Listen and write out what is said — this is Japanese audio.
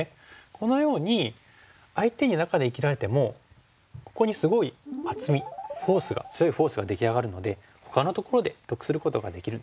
このように相手に中で生きられてもここにすごい厚みフォースが強いフォースが出来上がるのでほかのところで得することができるんですね。